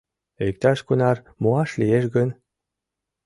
Иктаж-кунар муаш лиеш гын?..